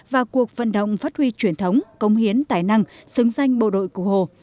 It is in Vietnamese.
và cuộc vận động phát huy truyền thống công hiến tài năng xứng danh bộ đội cụ hồ